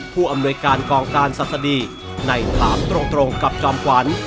ผู้อำนวยการกองการศัษฎีในถามตรงกับจอมขวัญ